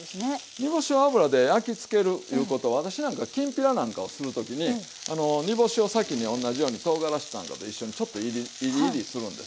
煮干しを油で焼きつけるいうことは私なんかきんぴらなんかをする時に煮干しを先におんなじようにとうがらしなんかと一緒にちょっといりいりいりするんです。